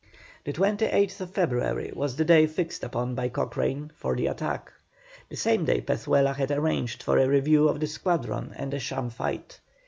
The 28th February was the day fixed upon by Cochrane for the attack; the same Day Pezuela had arranged for a review of the squadron and a sham fight.